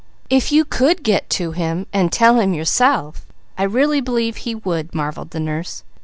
"If you could get to him and tell him yourself, I really believe he would," marvelled the nurse.